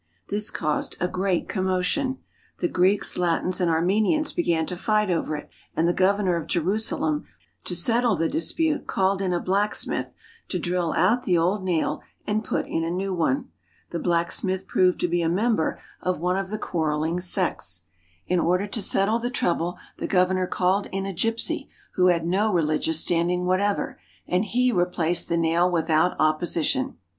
This caused a great commotion. The Greeks, Latins, and Armenians began to fight over it, and the governor of Jerusalem, to settle the dispute, called in a blacksmith to drill out the old nail and put in a new one. The black smith proved to be a member of one of the quarrelling H5 THE HOLY LAND AND SYRIA sects. In order to settle the trouble the governor called in a gypsy, who had no religious standing whatever, and he replaced the nail without opposition.